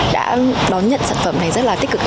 đã đón nhận sản phẩm này rất là tích cực